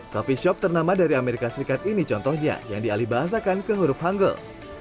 coffee shop ternama dari amerika serikat ini contohnya yang dialih bahasakan ke huruf hangle